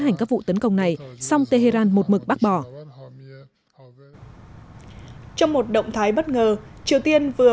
hành các vụ tấn công này song tehran một mực bác bỏ trong một động thái bất ngờ triều tiên vừa